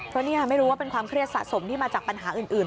เพราะนี่ไม่รู้ว่าเป็นความเครียดสะสมที่มาจากปัญหาอื่น